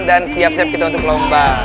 dan siap siap kita untuk lomba